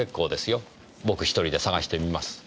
僕一人で捜してみます。